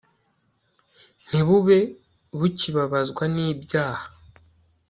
ntibube bukibabazwa n'ibyaha